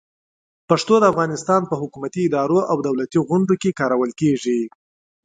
پښتو د افغانستان په حکومتي ادارو او دولتي غونډو کې کارول کېږي.